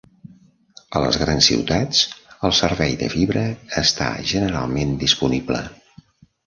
A les grans ciutats, el servei de fibra està generalment disponible.